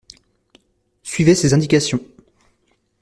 Suivez ses indications.